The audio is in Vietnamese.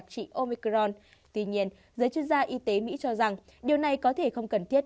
tuy nhiên giới chuyên gia y tế mỹ cho rằng điều này có thể không cần thiết